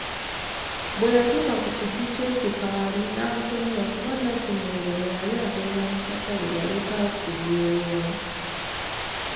Bwe yatuuka ku kiggyi ky’ekikaali, n’asoberwa kuba Nnakimwero bwe yali agenda mu katale yaleka asibyewo.